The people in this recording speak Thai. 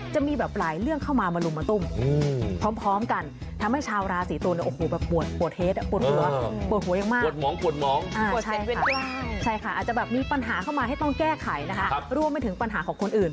จะมีแบบหลายเรื่องเข้ามามาหลุมมาตุ้มพร้อมกันทำให้ชาวราศรีตุลเนี่ยโอ้โหแบบปวดเฮ็ดปวดหัวปวดหัวยังมาก